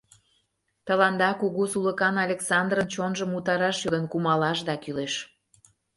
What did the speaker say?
— Тыланда кугу сулыкан Александрын чонжым утараш йодын кумалашда кӱлеш.